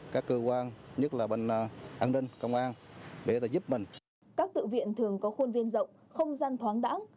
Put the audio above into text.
các tự viện thường có khuôn viên rộng không gian thoáng đẳng